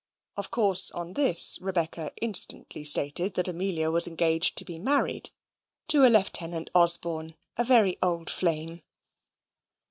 Of course, on this Rebecca instantly stated that Amelia was engaged to be married to a Lieutenant Osborne a very old flame.